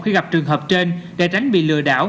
khi gặp trường hợp trên để tránh bị lừa đảo